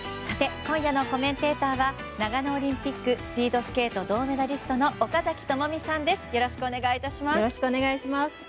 さて今夜のコメンテーターは長野オリンピックスピードスケート銅メダリストの岡崎朋美さんです。